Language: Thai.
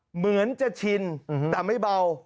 เหมือนจะชินแต่ไม่เบา